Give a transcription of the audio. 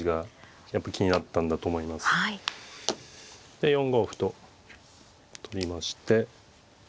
で４五歩と取りまして。